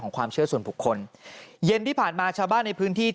หลังจากพบศพผู้หญิงปริศนาตายตรงนี้ครับ